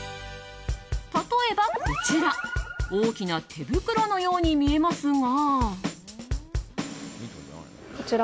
例えば、こちら大きな手袋のように見えますが。